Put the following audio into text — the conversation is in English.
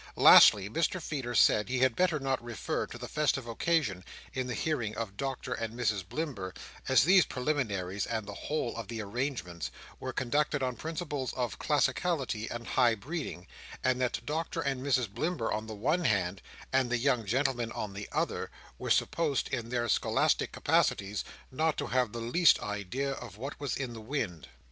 Lastly, Mr Feeder said, he had better not refer to the festive occasion, in the hearing of Doctor and Mrs Blimber; as these preliminaries, and the whole of the arrangements, were conducted on principles of classicality and high breeding; and that Doctor and Mrs Blimber on the one hand, and the young gentlemen on the other, were supposed, in their scholastic capacities, not to have the least idea of what was in the wind.